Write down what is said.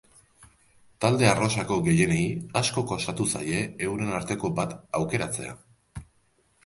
Talde arrosako gehienei asko kostatu zaie euren arteko bat aukeratzea.